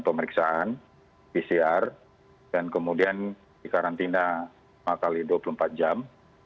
pemeriksaan pcr dan kemudian di karantina maka dua puluh empat jam